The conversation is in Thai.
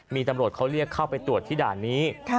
มีตำรวจเขาเรียกเข้าไปตรวจที่ด่านนี้